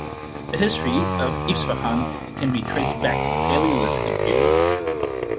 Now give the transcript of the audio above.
The history of Isfahan can be traced back to the Palaeolithic period.